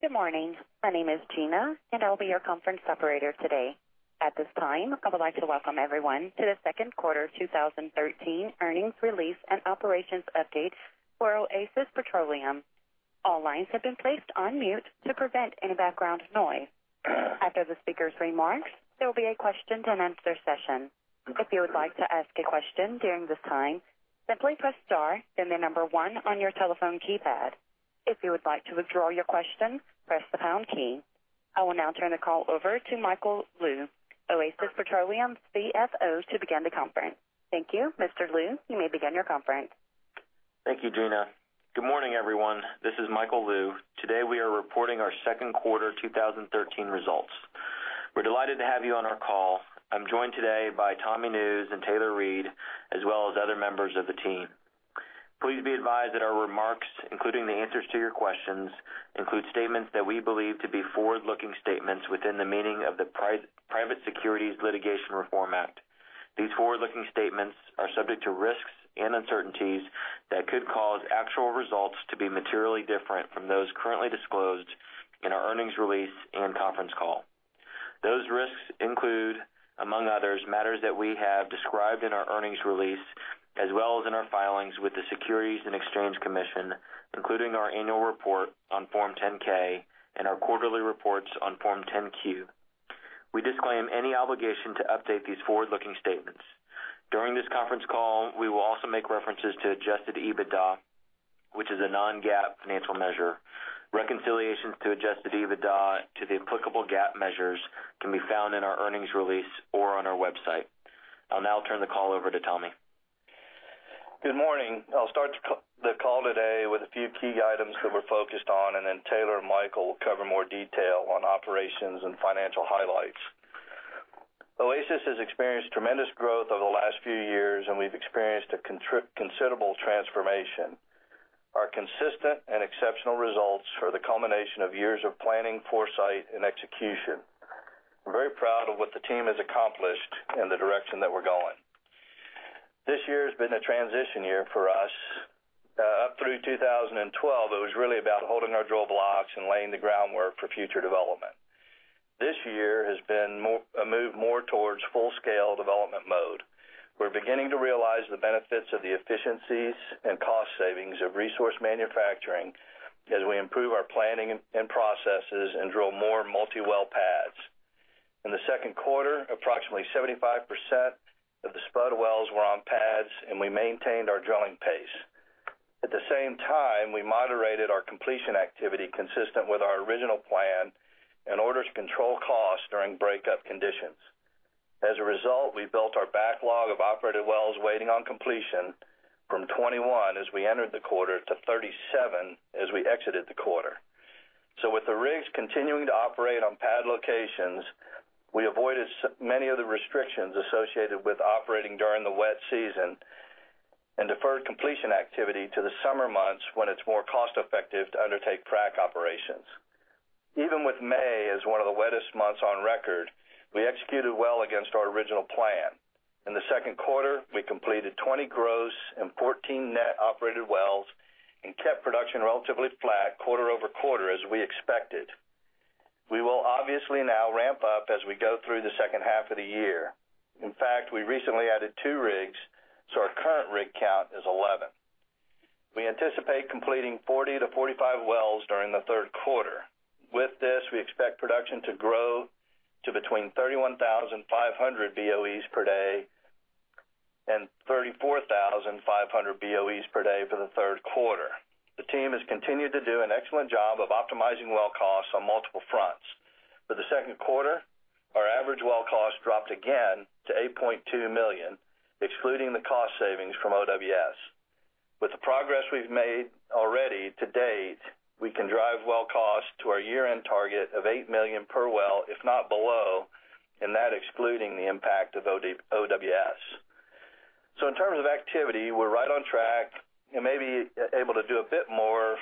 Good morning. My name is Gina, and I'll be your conference operator today. At this time, I would like to welcome everyone to the second quarter 2013 earnings release and operations update for Oasis Petroleum. All lines have been placed on mute to prevent any background noise. After the speaker's remarks, there will be a question and answer session. If you would like to ask a question during this time, simply press star, then the number one on your telephone keypad. If you would like to withdraw your question, press the pound key. I will now turn the call over to Michael Lou, Oasis Petroleum's CFO, to begin the conference. Thank you, Mr. Lou. You may begin your conference. Thank you, Gina. Good morning, everyone. This is Michael Lou. Today, we are reporting our second quarter 2013 results. We're delighted to have you on our call. I'm joined today by Tommy Nusz and Taylor Reid, as well as other members of the team. Please be advised that our remarks, including the answers to your questions, include statements that we believe to be forward-looking statements within the meaning of the Private Securities Litigation Reform Act. These forward-looking statements are subject to risks and uncertainties that could cause actual results to be materially different from those currently disclosed in our earnings release and conference call. Those risks include, among others, matters that we have described in our earnings release as well as in our filings with the Securities and Exchange Commission, including our annual report on Form 10-K and our quarterly reports on Form 10-Q. We disclaim any obligation to update these forward-looking statements. During this conference call, we will also make references to adjusted EBITDA, which is a non-GAAP financial measure. Reconciliations to adjusted EBITDA to the applicable GAAP measures can be found in our earnings release or on our website. I'll now turn the call over to Tommy. Good morning. I'll start the call today with a few key items that we're focused on, and then Taylor and Michael will cover more detail on operations and financial highlights. Oasis has experienced tremendous growth over the last few years, and we've experienced a considerable transformation. Our consistent and exceptional results are the culmination of years of planning, foresight, and execution. I'm very proud of what the team has accomplished and the direction that we're going. This year has been a transition year for us. Up through 2012, it was really about holding our drill blocks and laying the groundwork for future development. This year has been a move more towards full-scale development mode. We're beginning to realize the benefits of the efficiencies and cost savings of resource manufacturing as we improve our planning and processes and drill more multi-well pads. In the second quarter, approximately 75% of the spud wells were on pads, and we maintained our drilling pace. At the same time, we moderated our completion activity consistent with our original plan in order to control costs during breakup conditions. As a result, we built our backlog of operated wells waiting on completion from 21 as we entered the quarter to 37 as we exited the quarter. With the rigs continuing to operate on pad locations, we avoided many of the restrictions associated with operating during the wet season and deferred completion activity to the summer months when it's more cost effective to undertake frac operations. Even with May as one of the wettest months on record, we executed well against our original plan. In the second quarter, we completed 20 gross and 14 net operated wells and kept production relatively flat quarter-over-quarter as we expected. We will obviously now ramp up as we go through the second half of the year. In fact, we recently added two rigs. Our current rig count is 11. We anticipate completing 40 to 45 wells during the third quarter. With this, we expect production to grow to between 31,500 BOEs per day and 34,500 BOEs per day for the third quarter. The team has continued to do an excellent job of optimizing well costs on multiple fronts. For the second quarter, our average well cost dropped again to $8.2 million, excluding the cost savings from OWS. With the progress we've made already to date, we can drive well cost to our year-end target of $8 million per well, if not below, and that excluding the impact of OWS. In terms of activity, we're right on track and may be able to do a bit more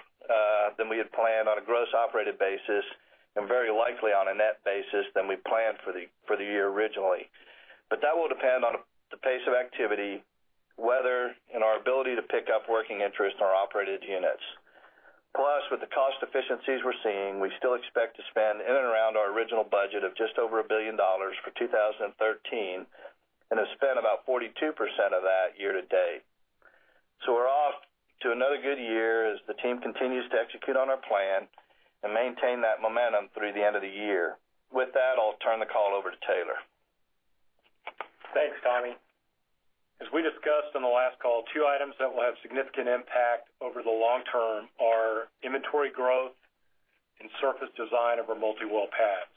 than we had planned on a gross operated basis and very likely on a net basis than we planned for the year originally. That will depend on the pace of activity, weather, and our ability to pick up working interest in our operated units. Plus, with the cost efficiencies we're seeing, we still expect to spend in and around our original budget of just over $1 billion for 2013 and have spent about 42% of that year to date. We're off to another good year as the team continues to execute on our plan and maintain that momentum through the end of the year. With that, I'll turn the call over to Taylor. Thanks, Tommy. As we discussed on the last call, two items that will have significant impact over the long term are inventory growth and surface design of our multi-well pads.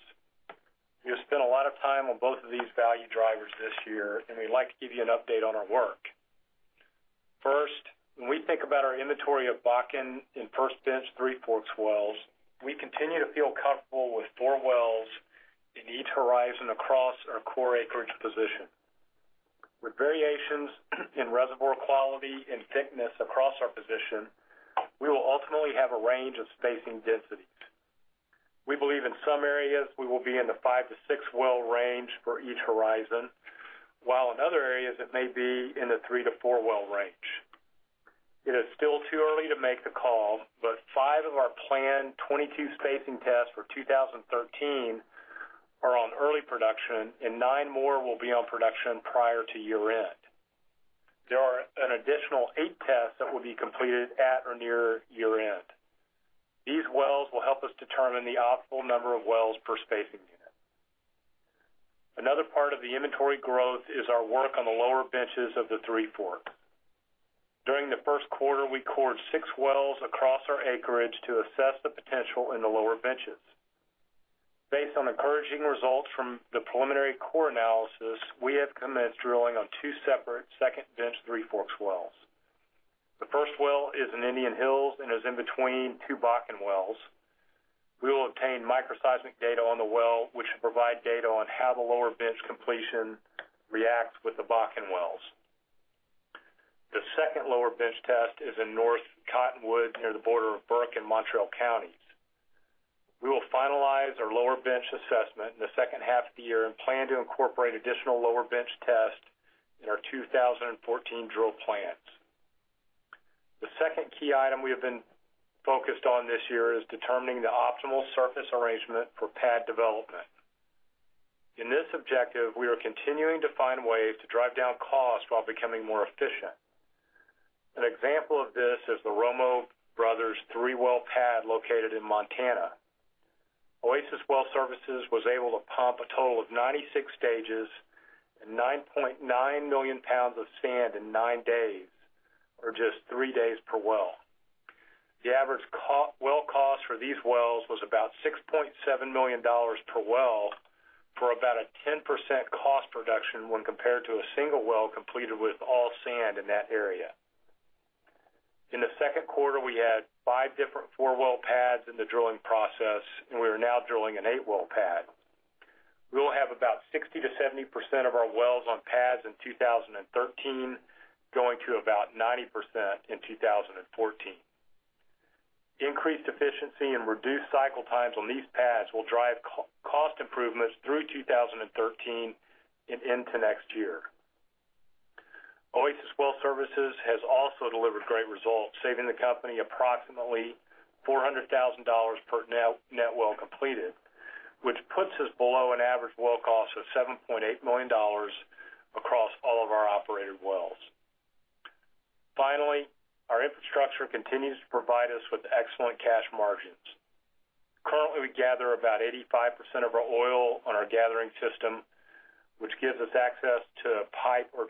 We have spent a lot of time on both of these value drivers this year, and we'd like to give you an update on our work. First, when we think about our inventory of Bakken in first bench Three Forks wells, we continue to feel comfortable with four wells in each horizon across our core acreage position. With variations in reservoir quality and thickness across our position, we will ultimately have a range of spacing densities. We believe in some areas we will be in the five to six well range for each horizon, while in other areas it may be in the three to four well range. It is still too early to make the call, but five of our planned 22 spacing tests for 2013 are on early production, and nine more will be on production prior to year-end. There are an additional eight tests that will be completed at or near year-end. These wells will help us determine the optimal number of wells per spacing unit. Another part of the inventory growth is our work on the lower benches of the Three Forks. During the first quarter, we cored six wells across our acreage to assess the potential in the lower benches. Based on encouraging results from the preliminary core analysis, we have commenced drilling on two separate second bench Three Forks wells. The first well is in Indian Hills and is in between two Bakken wells. We will obtain microseismic data on the well, which should provide data on how the lower bench completion reacts with the Bakken wells. The second lower bench test is in North Cottonwood, near the border of Burke and Mountrail counties. We will finalize our lower bench assessment in the second half of the year and plan to incorporate additional lower bench tests in our 2014 drill plans. The second key item we have been focused on this year is determining the optimal surface arrangement for pad development. In this objective, we are continuing to find ways to drive down costs while becoming more efficient. An example of this is the Romo Brothers three-well pad located in Montana. Oasis Well Services was able to pump a total of 96 stages and 9.9 million pounds of sand in nine days, or just three days per well. The average well cost for these wells was about $6.7 million per well, for about a 10% cost reduction when compared to a single well completed with all sand in that area. In the second quarter, we had five different four-well pads in the drilling process, and we are now drilling an eight-well pad. We will have about 60%-70% of our wells on pads in 2013, going to about 90% in 2014. Increased efficiency and reduced cycle times on these pads will drive cost improvements through 2013 and into next year. Oasis Well Services has also delivered great results, saving the company approximately $400,000 per net well completed, which puts us below an average well cost of $7.8 million across all of our operated wells. Finally, our infrastructure continues to provide us with excellent cash margins. Currently, we gather about 85% of our oil on our gathering system, which gives us access to pipe or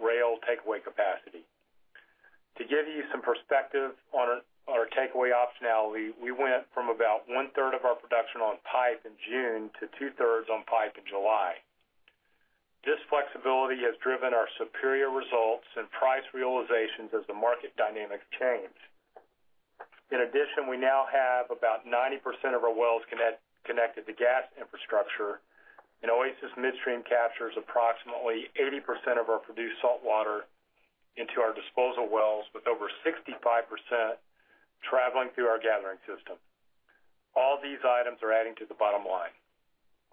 rail takeaway capacity. To give you some perspective on our takeaway optionality, we went from about one-third of our production on pipe in June to two-thirds on pipe in July. This flexibility has driven our superior results and price realizations as the market dynamics change. In addition, we now have about 90% of our wells connected to gas infrastructure, and Oasis Midstream captures approximately 80% of our produced salt water into our disposal wells, with over 65% traveling through our gathering system. All these items are adding to the bottom line.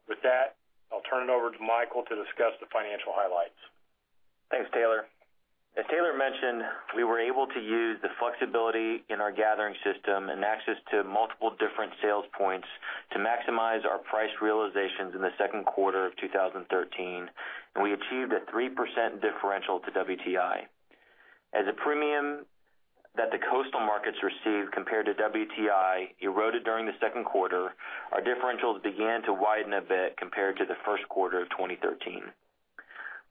With that, I'll turn it over to Michael to discuss the financial highlights. Thanks, Taylor. As Taylor mentioned, we were able to use the flexibility in our gathering system and access to multiple different sales points to maximize our price realizations in the second quarter of 2013. We achieved a 3% differential to WTI. As a premium that the coastal markets received compared to WTI eroded during the second quarter, our differentials began to widen a bit compared to the first quarter of 2013.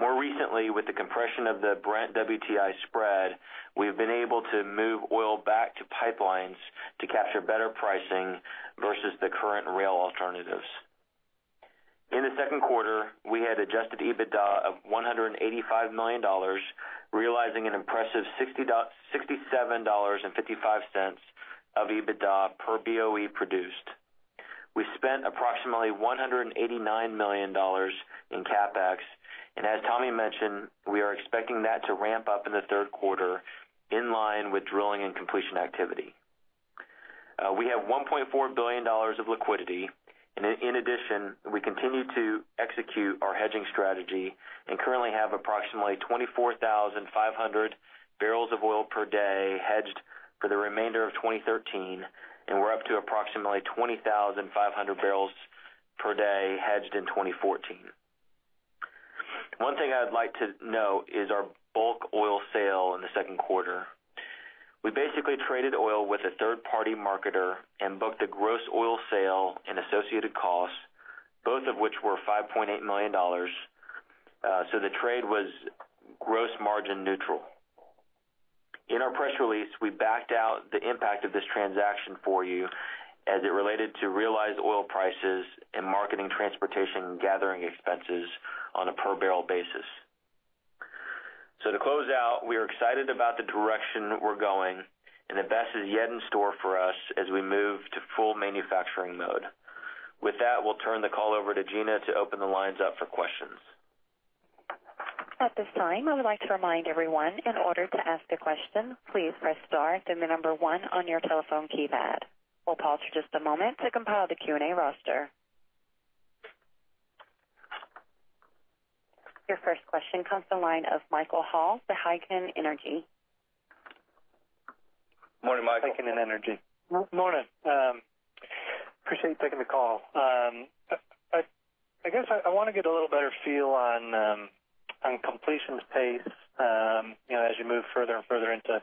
More recently, with the compression of the Brent WTI spread, we have been able to move oil back to pipelines to capture better pricing versus the current rail alternatives. In the second quarter, we had adjusted EBITDA of $185 million, realizing an impressive $67.55 of EBITDA per BOE produced. We spent approximately $189 million in CapEx. As Tommy mentioned, we are expecting that to ramp up in the third quarter in line with drilling and completion activity. We have $1.4 billion of liquidity. In addition, we continue to execute our hedging strategy and currently have approximately 24,500 barrels of oil per day hedged for the remainder of 2013. We are up to approximately 20,500 barrels per day hedged in 2014. One thing I would like to note is our bulk oil sale in the second quarter. We basically traded oil with a third-party marketer and booked the gross oil sale and associated costs, both of which were $5.8 million. The trade was gross margin neutral. In our press release, we backed out the impact of this transaction for you as it related to realized oil prices and marketing, transportation, and gathering expenses on a per barrel basis. To close out, we are excited about the direction we are going and the best is yet in store for us as we move to full manufacturing mode. With that, we will turn the call over to Gina to open the lines up for questions. At this time, I would like to remind everyone, in order to ask a question, please press star, then the number one on your telephone keypad. We will pause for just a moment to compile the Q&A roster. Your first question comes the line of Michael Hall, the Heikkinen Energy. Morning, Michael. Heikkinen Energy. Morning. Appreciate you taking the call. I guess I want to get a little better feel on completion pace, as you move further and further into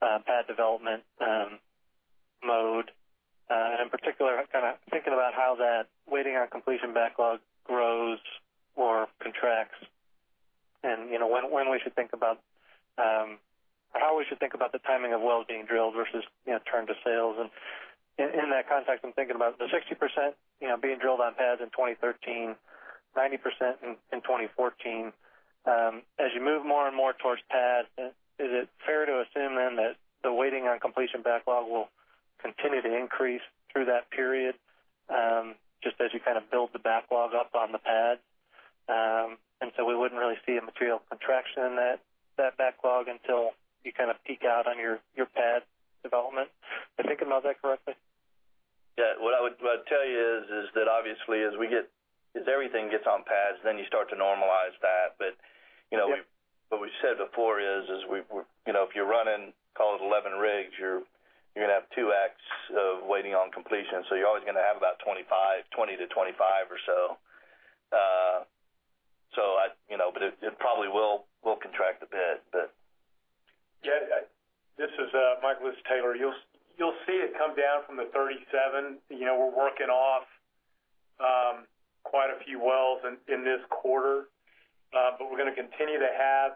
pad development mode. In particular, I'm thinking about how that waiting on completion backlog grows or contracts and how we should think about the timing of wells being drilled versus turn to sales. In that context, I'm thinking about the 60% being drilled on pads in 2013, 90% in 2014. As you move more and more towards pad, is it fair to assume then that the waiting on completion backlog will continue to increase through that period? Just as you build the backlog up on the pad. So we wouldn't really see a material contraction in that backlog until you peak out on your pad development. Am I thinking about that correctly? What I would tell you is that obviously, as everything gets on pads, you start to normalize that. What we've said before is, if you're running, call it 11 rigs, you're going to have two acts of waiting on completion. You're always going to have about 20-25 or so. It probably will contract a bit. Yeah. This is Mike Lewis-Taylor. You'll see it come down from the 37. We're working off quite a few wells in this quarter. We're going to continue to have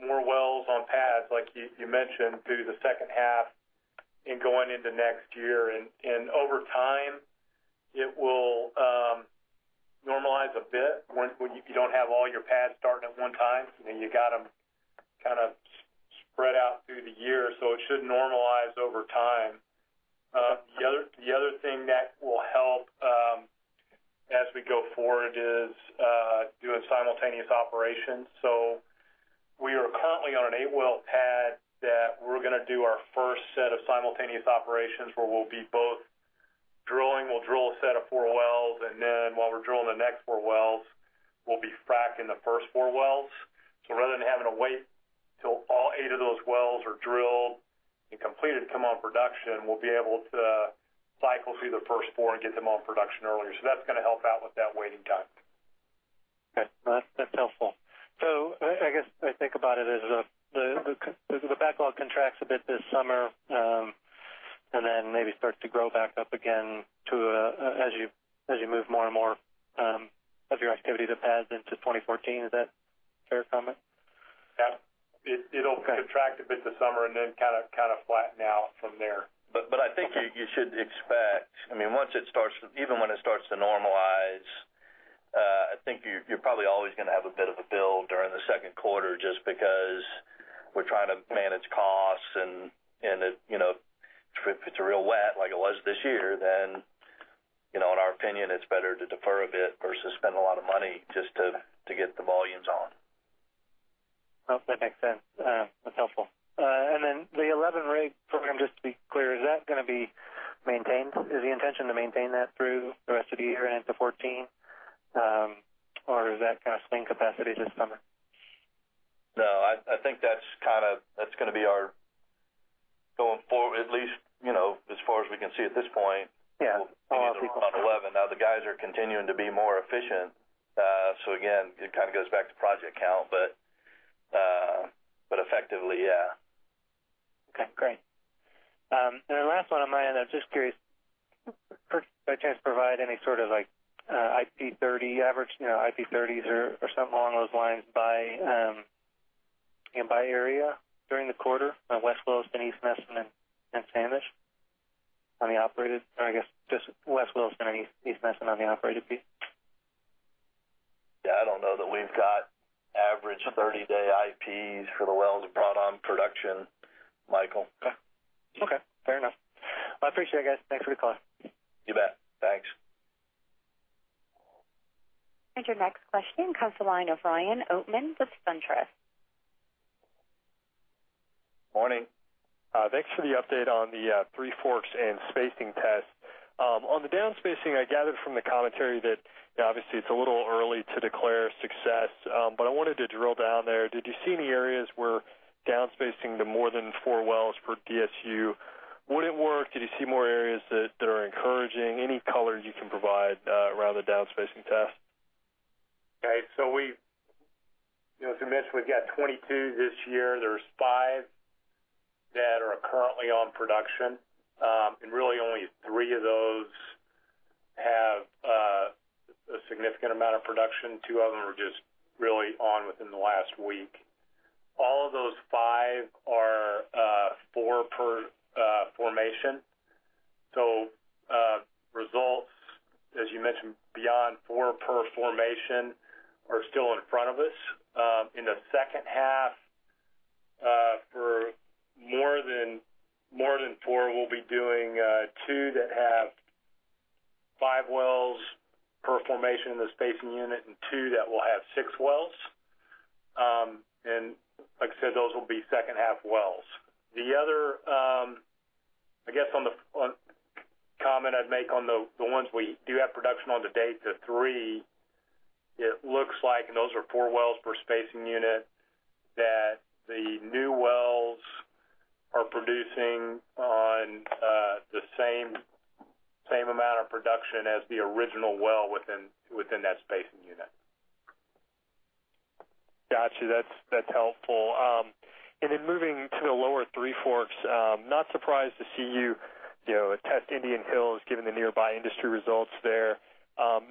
more wells on pads, like you mentioned, through the second half and going into next year. Over time, it will normalize a bit when you don't have all your pads starting at one time, and you got them spread out through the year. It should normalize over time. The other thing that will help, as we go forward, is doing simultaneous operations. We are currently on an 8-well pad that we're going to do our first set of simultaneous operations, where we'll be both drilling. We'll drill a set of four wells, and then while we're drilling the next four wells, we'll be fracking the first four wells. Rather than having to wait till all eight of those wells are drilled and completed to come on production, we'll be able to cycle through the first four and get them on production earlier. That's going to help out with that waiting time. Okay. That's helpful. I guess I think about it as the backlog contracts a bit this summer, maybe starts to grow back up again as you move more and more of your activity to pads into 2014. Is that a fair comment? It'll contract a bit this summer and then flatten out from there. I think you should expect, even when it starts to normalize, I think you're probably always going to have a bit of a build during the second quarter just because we're trying to manage costs and if it's real wet like it was this year, then, in our opinion, it's better to defer a bit versus spend a lot of money just to get the volumes on. That makes sense. That's helpful. The 11 rig program, just to be clear, is that going to be maintained? Is the intention to maintain that through the rest of the year and into 2014? Does that swing capacity this summer? I think that's going to be our going forward, at least, as far as we can see at this point. Yeah. We'll be on 11. The guys are continuing to be more efficient. Again, it goes back to project count. Effectively, yeah. Okay, great. The last one on my end, I was just curious. By chance, provide any sort of IP 30 average, IP 30s or something along those lines by area during the quarter on West Wilson, East Nesson, and Sanish on the operated, or I guess just West Wilson and East Nesson on the operated piece. Yeah, I don't know that we've got average 30-day IPs for the wells we've brought on production, Michael. Okay. Fair enough. I appreciate it, guys. Thanks for the call. You bet. Thanks. Your next question comes to the line of Ryan Oatman with SunTrust. Morning. Thanks for the update on the Three Forks and spacing test. On the downspacing, I gathered from the commentary that obviously it's a little early to declare success, but I wanted to drill down there. Did you see any areas where downspacing to more than four wells per DSU wouldn't work? Did you see more areas that are encouraging? Any color you can provide around the downspacing test? Okay. As we mentioned, we've got 22 this year. There's five that are currently on production. Really only three of those have a significant amount of production. Two of them are just really on within the last week. All of those five are four per formation. Results, as you mentioned, beyond four per formation are still in front of us. In the second half, for more than four, we'll be doing two that have five wells per formation in the spacing unit and two that will have six wells. Like I said, those will be second-half wells. The other comment I'd make on the ones we do have production on to date, the three, it looks like, and those are four wells per spacing unit, that the new wells are producing on the same amount of production as the original well within that spacing unit. Got you. That's helpful. Moving to the Lower Three Forks, not surprised to see you test Indian Hills, given the nearby industry results there.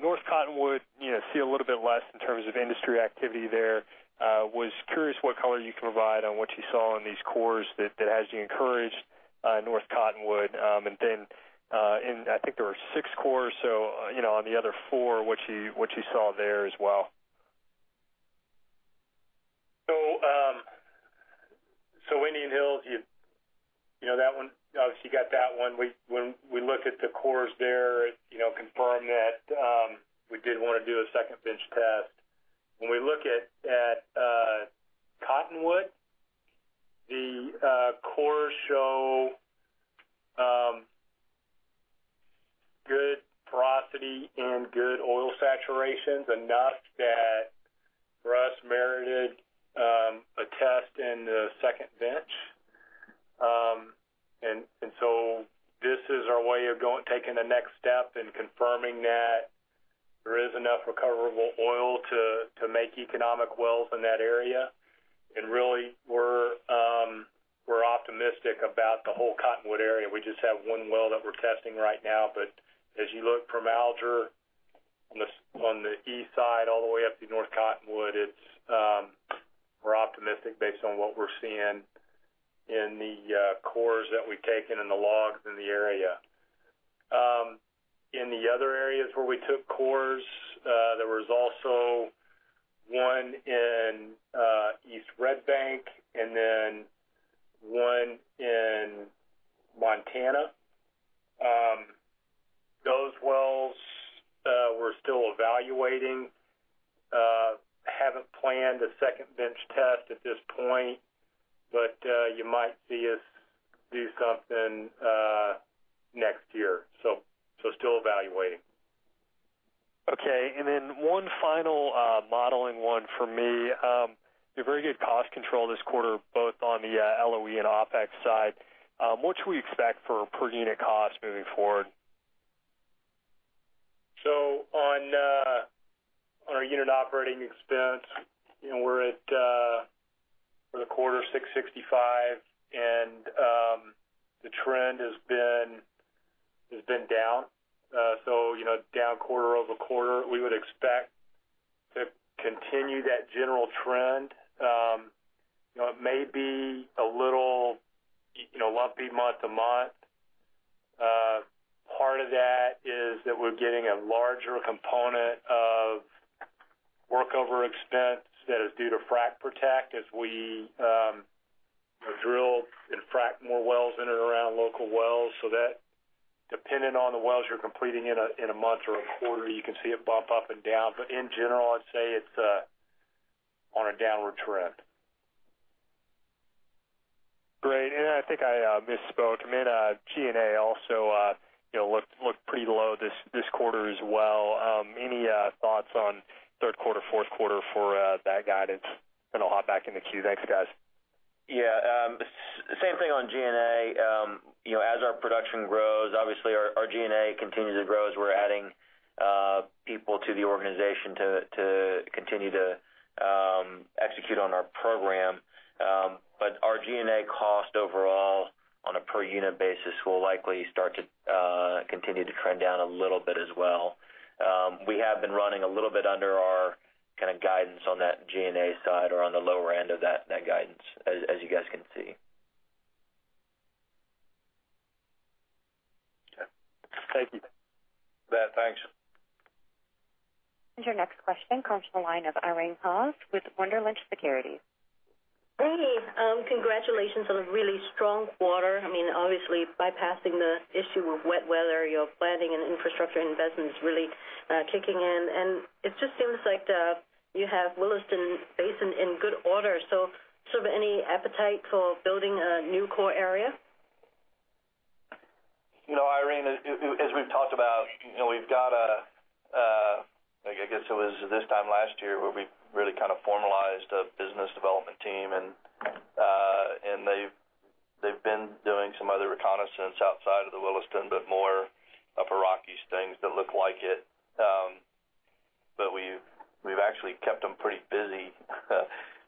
North Cottonwood, see a little bit less in terms of industry activity there. Was curious what color you can provide on what you saw in these cores that has you encouraged North Cottonwood. I think there were 6 cores, on the other 4, what you saw there as well. Indian Hills, you got that one. When we look at the cores there, it confirmed that we did want to do a second bench test. When we look at Cottonwood, the cores show good porosity and good oil saturations, enough that for us merited a test in the second bench. This is our way of taking the next step and confirming that there is enough recoverable oil to make economic wells in that area. Really, we're optimistic about the whole Cottonwood area. We just have one well that we're testing right now, but as you look from Alger on the east side all the way up to North Cottonwood, we're optimistic based on what we're seeing in the cores that we've taken and the logs in the area. In the other areas where we took cores, there was also one in East Red Bank and one in Montana. Those wells we're still evaluating. Haven't planned a second bench test at this point, but you might see us do something next year. Still evaluating. Okay. One final modeling one for me. You had very good cost control this quarter, both on the LOE and OpEx side. What should we expect for per-unit cost moving forward? On our unit operating expense, we're at, for the quarter, $665. The trend has been down. Down quarter-over-quarter. We would expect to continue that general trend. It may be a little lumpy month-to-month. Part of that is that we're getting a larger component of workover expense that is due to frac protection as we drill and frac more wells in and around local wells. That, dependent on the wells you're completing in a month or a quarter, you can see it bump up and down. In general, I'd say it's on a downward trend. Great. Then I think I misspoke. I mean, G&A also looked pretty low this quarter as well. Any thoughts on third quarter, fourth quarter for that guidance? I'll hop back in the queue. Thanks, guys. Yeah. Same thing on G&A. As our production grows, obviously our G&A continues to grow as we're adding people to the organization to continue to execute on our program. Our G&A cost overall on a per-unit basis will likely start to continue to trend down a little bit as well. We have been running a little bit under our guidance on that G&A side or on the lower end of that guidance, as you guys can see. Okay. Thank you. You bet. Thanks. Your next question comes from the line of Irene Haas with Wunderlich Securities. Hey. Congratulations on a really strong quarter. Obviously, bypassing the issue of wet weather, your planning and infrastructure investment is really kicking in. It just seems like you have Williston Basin in good order. Any appetite for building a new core area? Irene, as we've talked about, we've got, I guess it was this time last year where we really formalized a business development team, they've been doing some other reconnaissance outside of the Williston, more Upper Rockies things that look like it. We've actually kept them pretty busy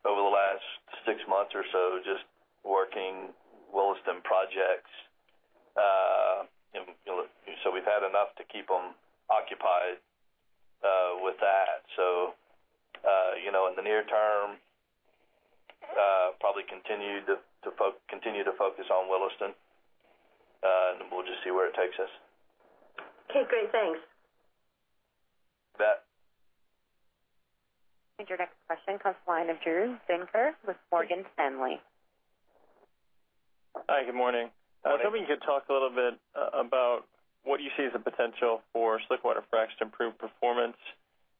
over the last six months or so, just working Williston projects. We've had enough to keep them occupied with that. In the near term probably continue to focus on Williston. We'll just see where it takes us. Okay, great. Thanks. You bet. Your next question comes from the line of Drew Zenker with Morgan Stanley. Hi, good morning. Morning. I was hoping you could talk a little bit about what you see as a potential for slick-water fracs to improve performance,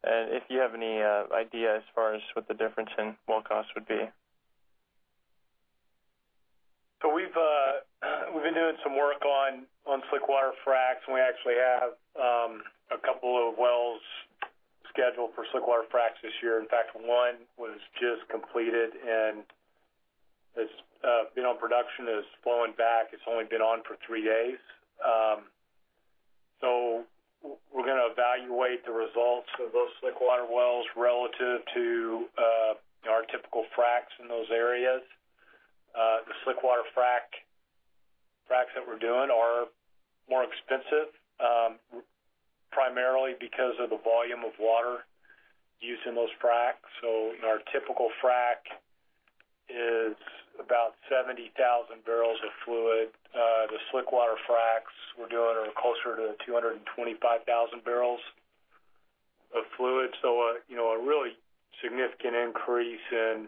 and if you have any idea as far as what the difference in well cost would be. We've been doing some work on slick-water fracs, and we actually have a couple of wells scheduled for slick-water fracs this year. In fact, one was just completed and has been on production, is flowing back. It's only been on for three days. We're going to evaluate the results of those slick-water wells relative to our typical fracs in those areas. The slick-water fracs that we're doing are more expensive, primarily because of the volume of water used in those fracs. Our typical frac is about 70,000 barrels of fluid. The slick-water fracs we're doing are closer to 225,000 barrels of fluid, so a really significant increase in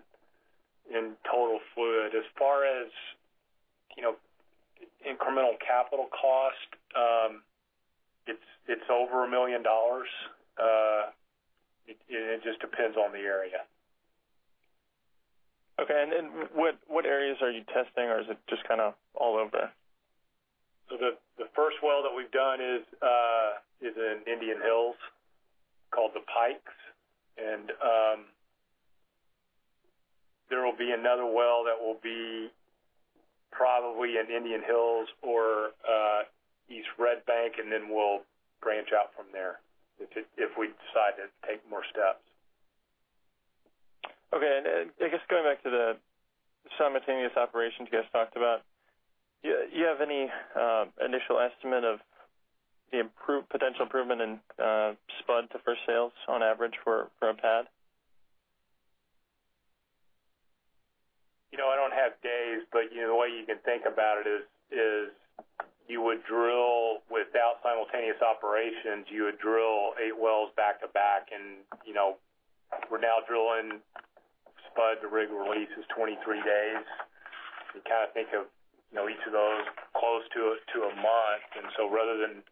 total fluid. As far as incremental capital cost, it's over $1 million. It just depends on the area. Okay. What areas are you testing, or is it just all over? The first well that we've done is in Indian Hills, called The Pikes, and there will be another well that will be probably in Indian Hills or East Red Bank. We'll branch out from there if we decide to take more steps. I guess going back to the simultaneous operations you guys talked about, you have any initial estimate of the potential improvement in spud to first sales on average for a pad? I don't have days, the way you can think about it is, without simultaneous operations, you would drill eight wells back-to-back, we're now drilling spud to rig release is 23 days. You think of each of those close to a month, rather than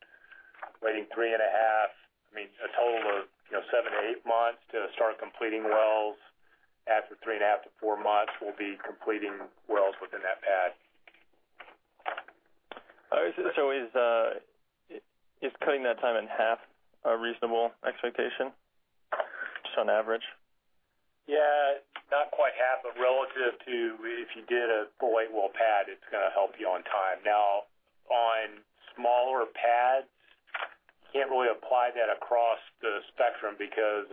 waiting three and a half, I mean, a total of seven to eight months to start completing wells, after three and a half to four months, we'll be completing wells within that pad. Is cutting that time in half a reasonable expectation, just on average? Yeah. Not quite half, relative to if you did a four-well pad, it's going to help you on time. On smaller pads, you can't really apply that across the spectrum because,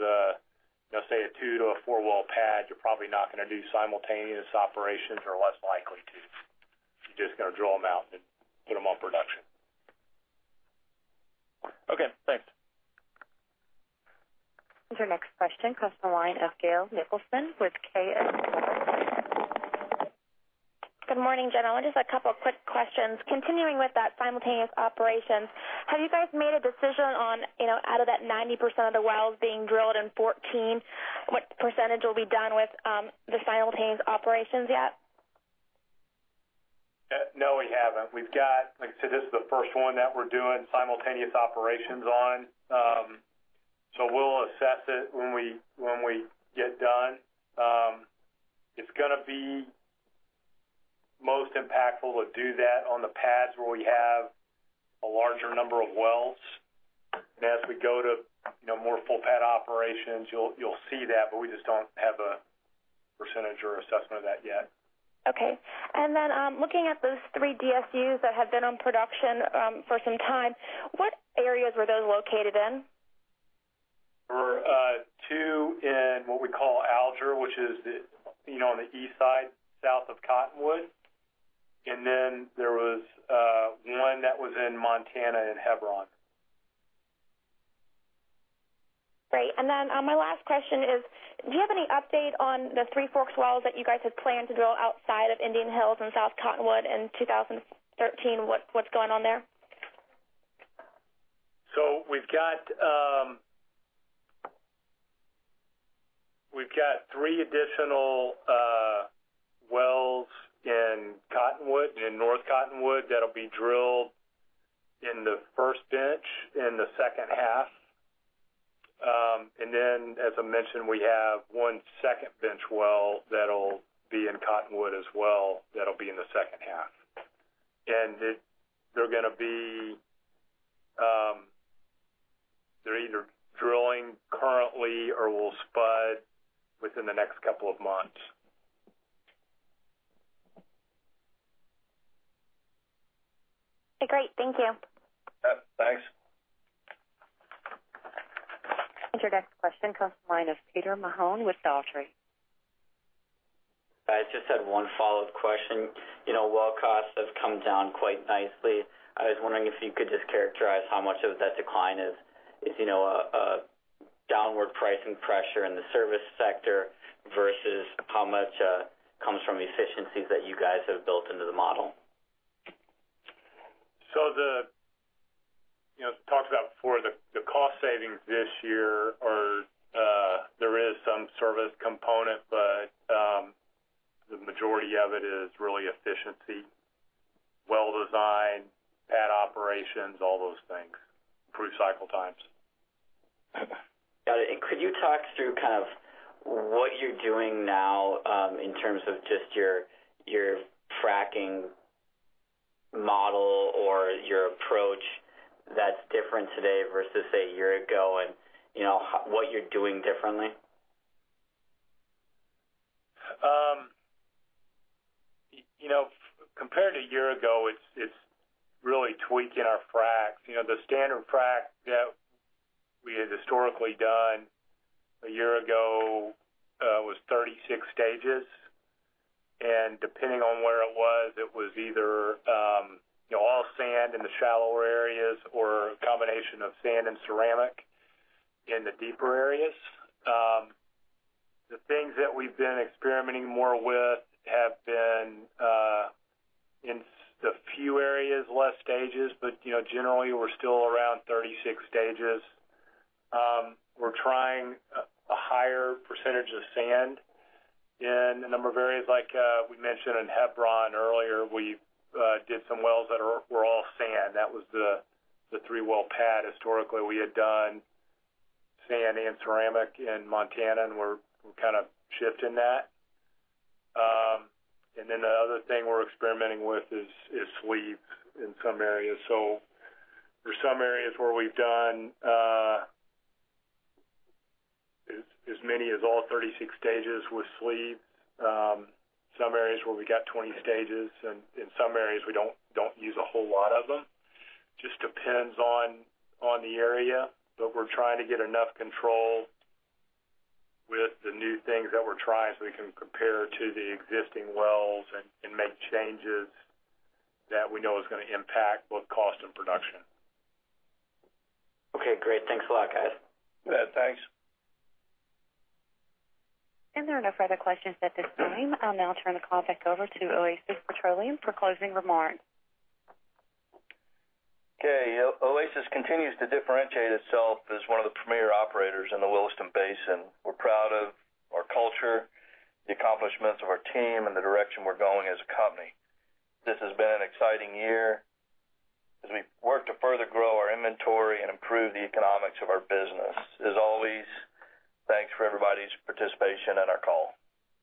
say a two to a four-well pad, you're probably not going to do simultaneous operations or less likely to. You're just going to drill them out and put them on production. Okay, thanks. Your next question comes from the line of Leo Mariani with KS. Good morning, gentlemen. Just a couple of quick questions. Continuing with that simultaneous operations, have you guys made a decision on out of that 90% of the wells being drilled in 2014, what % will be done with the simultaneous operations yet? No, we haven't. We've got, like I said, this is the first one that we're doing simultaneous operations on. We'll assess it when we get done. It's going to be most impactful to do that on the pads where we have a larger number of wells. As we go to more full pad operations, you'll see that, we just don't have a % or assessment of that yet. Okay. Looking at those three DSUs that have been on production for some time, what areas were those located in? There were two in what we call Alger, which is on the east side, south of Cottonwood. There was one that was in Montana, in Hebron. Great. My last question is, do you have any update on the Three Forks wells that you guys had planned to drill outside of Indian Hills and South Cottonwood in 2013? What's going on there? We've got three additional wells in Cottonwood, in North Cottonwood, that'll be drilled in the first bench in the second half. As I mentioned, we have one second bench well that'll be in Cottonwood as well, that'll be in the second half. They're either drilling currently or will spud within the next couple of months. Okay, great. Thank you. Yep, thanks. Your next question comes from the line of Peter Mahon with Dougherty. I just had one follow-up question. Well costs have come down quite nicely. I was wondering if you could just characterize how much of that decline is a downward pricing pressure in the service sector versus how much comes from the efficiencies that you guys have built into the model? As I talked about before, the cost savings this year Service component, but the majority of it is really efficiency, well design, pad operations, all those things, improve cycle times. Got it. Could you talk through what you're doing now in terms of just your fracking model or your approach that's different today versus a year ago, and what you're doing differently? Compared to a year ago, it's really tweaking our fracs. The standard frac that we had historically done a year ago was 36 stages, and depending on where it was, it was either all sand in the shallower areas or a combination of sand and ceramic in the deeper areas. The things that we've been experimenting more with have been, in a few areas, less stages, but generally, we're still around 36 stages. We're trying a higher percentage of sand in a number of areas, like we mentioned in Hebron earlier, we did some wells that were all sand. That was the three-well pad. Historically, we had done sand and ceramic in Montana, and we're shifting that. The other thing we're experimenting with is sleeves in some areas. There's some areas where we've done as many as all 36 stages with sleeves, some areas where we got 20 stages, and in some areas, we don't use a whole lot of them. Just depends on the area. We're trying to get enough control with the new things that we're trying so we can compare to the existing wells and make changes that we know is going to impact both cost and production. Okay, great. Thanks a lot, guys. Yeah, thanks. There are no further questions at this time. I'll now turn the call back over to Oasis Petroleum for closing remarks. Okay. Oasis continues to differentiate itself as one of the premier operators in the Williston Basin. We're proud of our culture, the accomplishments of our team, and the direction we're going as a company. This has been an exciting year as we work to further grow our inventory and improve the economics of our business. As always, thanks for everybody's participation on our call.